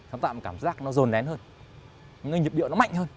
nó tạo một cảm giác nó rồn nén hơn nó nhịp điệu nó mạnh hơn